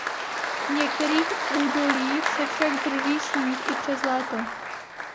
V některých údolích se však drží sníh i přes léto.